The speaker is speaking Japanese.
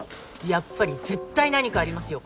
やっぱり絶対何かありますよ